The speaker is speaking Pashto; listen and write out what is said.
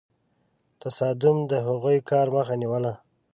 تصادم د هغوی کار مخه نیوله.